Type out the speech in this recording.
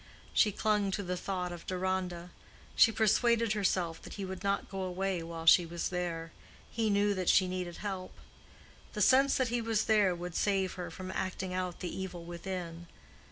She clung to the thought of Deronda: she persuaded herself that he would not go away while she was there—he knew that she needed help. The sense that he was there would save her from acting out the evil within.